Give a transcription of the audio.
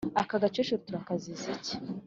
aka gakecuru turakaziza iki?"